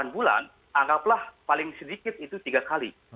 delapan bulan anggaplah paling sedikit itu tiga kali